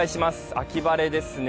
秋晴れですね。